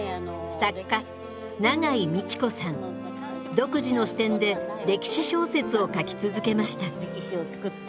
独自の視点で歴史小説を書き続けました。